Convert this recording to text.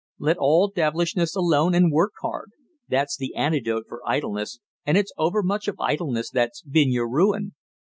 Let all devilishness alone and work hard; that's the antidote for idleness, and it's overmuch of idleness that's been your ruin."